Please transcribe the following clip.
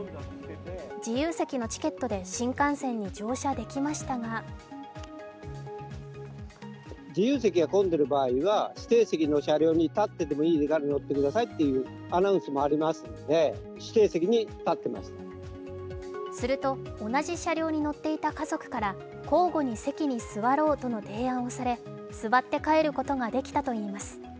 自由席のチケットで新幹線に乗車できましたがすると、同じ車両に乗っていた家族から交互に席に座ろうとの提案をされ座って帰ることができたといいます。